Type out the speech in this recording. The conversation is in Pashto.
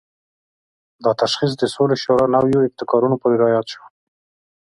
دا تشخیص د سولې شورا نوو ابتکارونو پورې راياد شو.